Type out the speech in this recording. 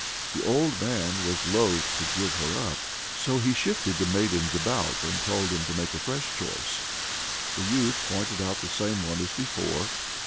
The old man was loth to give her up, so he shifted the maidens about, and told him to make a fresh choice. The youth pointed out the same one as before.